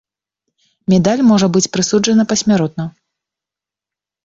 Медаль можа быць прысуджана пасмяротна.